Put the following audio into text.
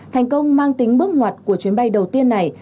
thành công mang tính bước ngoặt của chuyến bay đầu tiên này